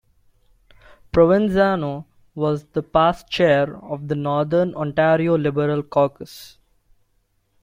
Provenzano was the past chair of the Northern Ontario Liberal caucus.